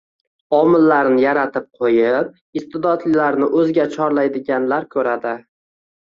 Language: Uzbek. omillarni yaratib qo‘yib iste’dodlilarni o‘ziga chorlaydiganlar ko‘radi.